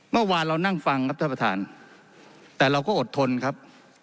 เมื่อวานเรานั่งฟังครับท่านประธานแต่เราก็อดทนครับ